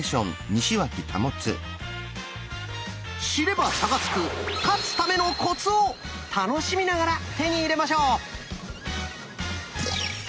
知れば差がつく「勝つためのコツ」を楽しみながら手に入れましょう！